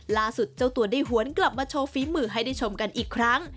และฝีมือให้ได้ชมกันอีกครั้ง